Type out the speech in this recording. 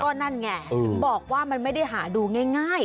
นั่นไงถึงบอกว่ามันไม่ได้หาดูง่าย